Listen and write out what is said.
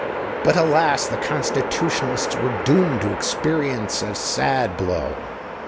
But, alas! the Constitutionalists were doomed to experience a sad blow!